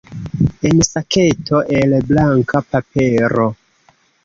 En saketo el blanka papero.